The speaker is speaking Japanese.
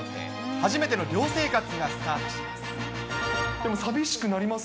初めての寮生活がスタートします。